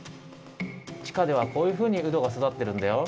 ちかではこういうふうにうどがそだってるんだよ。